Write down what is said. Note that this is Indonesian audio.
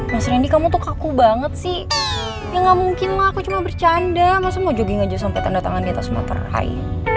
mas randy kamu tuh kaku banget sih ya gak mungkin lah aku cuma bercanda masa mau jogging aja sampe tanda tangan diatas materai